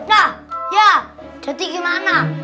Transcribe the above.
nah ya jadi gimana